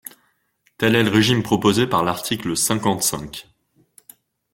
Tel est le régime proposé par l’article cinquante-cinq.